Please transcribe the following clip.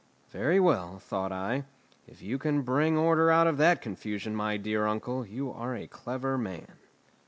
"Very well," thought I, "if you can bring order out of that confusion, my dear uncle, you are a clever man."